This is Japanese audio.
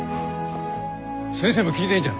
先生も効いてんじゃん。